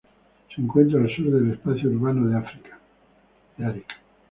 Se encuentra al sur del espacio urbano de Arica.